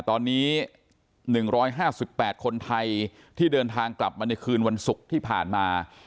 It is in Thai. ตอนนี้หนึ่งร้อยห้าสุดแปดคนไทยที่เดินทางกลับมาในคืนวันศุกร์ที่ผ่านมา